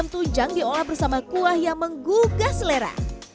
tunjang diolah bersama kuah yang menggugah selera